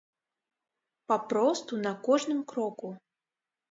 Папросту на кожным кроку.